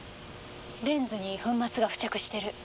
レンズに粉末が付着してる。